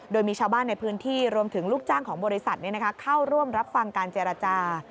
โดยมีชาวบ้านในพื้นที่รวมถึงลูกจ้างของบริษัทเข้าร่วมรับฟังการเจรจา